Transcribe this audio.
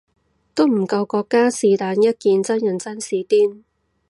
都唔夠國家是但一件真人真事癲